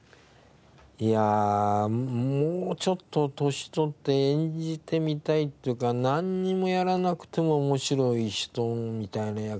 いやあもうちょっと年取って演じてみたいっていうかなんにもやらなくても面白い人みたいな役。